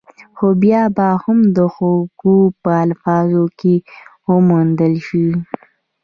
خو بيا به هم د هوګو په الفاظو کې وموندل شي.